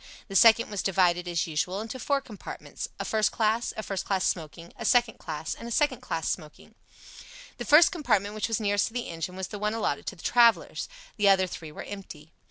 The second was divided, as usual, into four compartments, a first class, a first class smoking, a second class, and a second class smoking. The first compartment, which was nearest to the engine, was the one allotted to the travellers. The other three were empty.